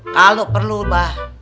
kalo perlu mbah